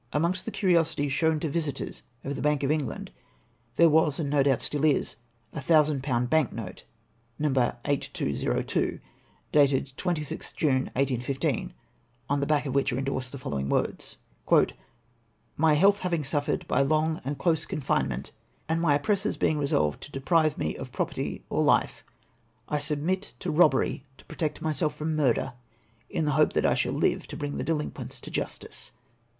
Amongst the curiosities shown to visitors of the Bank of England, there was, and no doubt is still, a thousand pound bank note, No. 8202, dated 26th June, 1815, on the back of which are endorsed the following words :—" My health having suffered by long and close con finement, AND MY OPPEESSOES BEING EESOLVED TO DEPEIVE ME OF PEOPEETY OR LIFE, I SUBMIT TO EOBBEEY TO PEOTECT myself FEOM MURDER, IN THE HOPE THAT I SHALL LIVE TO BRING THE DELINQUENTS TO JUSTICE.